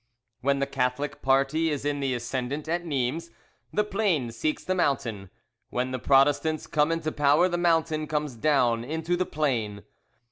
When the Catholic party is in the ascendant at Nimes, the plain seeks the mountain; when the Protestants come into power, the mountain comes down into the plain.